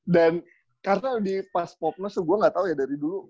dan karena di pas popness tuh gue gatau ya dari dulu